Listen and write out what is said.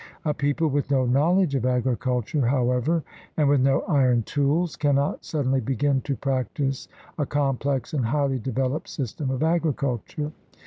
A people with no knowledge of agriculture, however, and with no iron tools can not suddenly begin to practice a complex and highly developed system of agriculture.